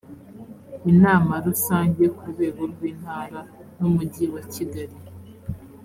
inama rusange ku rwego rw intara n umujyi wa kigali